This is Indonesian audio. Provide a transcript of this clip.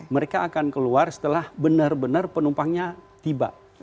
mereka akan keluar setelah benar benar penumpangnya tiba